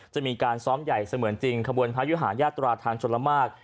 จะมีการซ้อมใหญ่เสมือนจริงขบวนพระยุหาญาตราทางชนละมาก